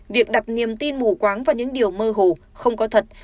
việc đặt niềm tin mù quáng vào những điều mơ hồ không có thật